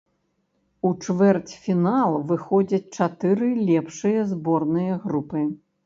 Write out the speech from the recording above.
У чвэрцьфінал выходзяць чатыры лепшыя зборныя групы.